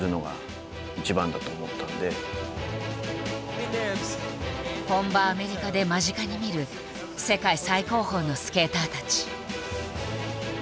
実際に本場アメリカで間近に見る世界最高峰のスケーターたち。